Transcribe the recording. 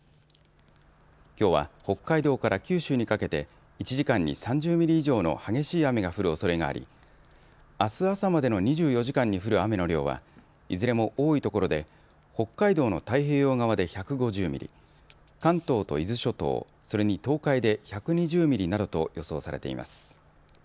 きょうは北海道から九州にかけて１時間に３０ミリ以上の激しい雨が降るおそれがありあす朝までの２４時間に降る雨の量はいずれも多いところで北海道の太平洋側で１５０ミリ、関東と伊豆諸島、それに東海で１２０ミリなどと予想されています。